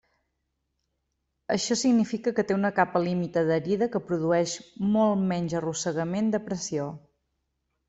Això significa que té una capa límit adherida que produeix molt menys arrossegament de pressió.